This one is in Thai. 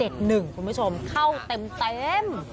คุณผู้ชมเข้าเต็ม